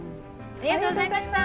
ありがとうございます。